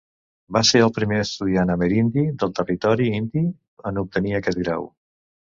Va ser el primer estudiant amerindi del Territori Indi en obtenir aquest grau.